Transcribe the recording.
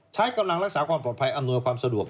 ใช้กำลังรักษาความปลอดภัยอำนวยความสะดวก